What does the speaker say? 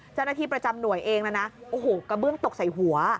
เจ้าหน้าที่ประจำหน่วยเองนะนะโอ้โหกระเบื้องตกใส่หัว